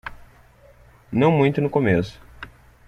Não muito no começo